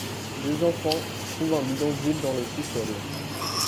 Deux enfants trouvent un bidon d'huile dans le sous-sol.